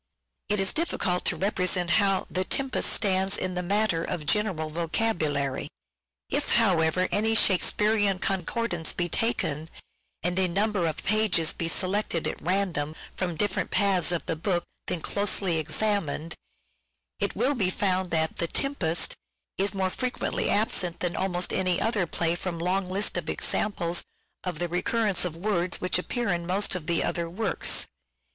It is difficult to represent how " The Tempest " stands in the matter of general vocabulary. If, however, any Shakespearean concordance be taken, and a number of pages be selected at random from different parts of the book, then closely examined, it will be found that " The Tempest " is more frequently absent than almost any other play from 524 " SHAKESPEARE ' IDENTIFIED long lists of examples of the recurrence of words which appear in most of the other works.